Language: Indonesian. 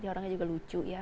orangnya juga lucu ya